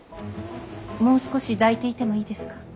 もう少し抱いていてもいいですか。